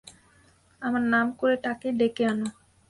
আমার নাম করে তাকে ডেকে আনো।